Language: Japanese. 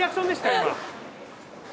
今。